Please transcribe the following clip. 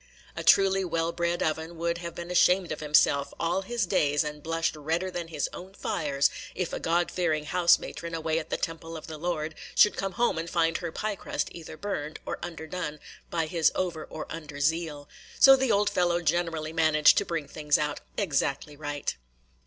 A truly well bred oven would have been ashamed of himself all his days, and blushed redder than his own fires, if a God fearing house matron, away at the temple of the Lord, should come home and find her piecrust either burned or underdone by his over or under zeal; so the old fellow generally managed to bring things out exactly right.